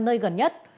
nơi gần nhất